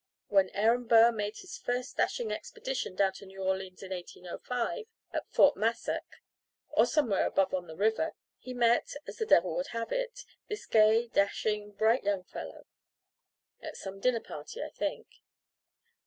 When Aaron Burr made his first dashing expedition down to New Orleans in 1805, at Fort Massac, or somewhere above on the river, he met, as the Devil would have it, this gay, dashing, bright young fellow; at some dinner party, I think.